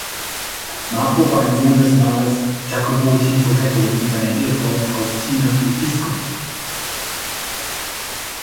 Marco war ein Sohn des Malers Jacopo Tintoretto und seiner Ehefrau Faustina Episcopi.